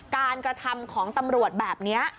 กระทำของตำรวจแบบนี้